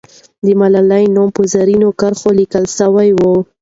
د ملالۍ نوم په زرینو کرښو لیکل سوی وو.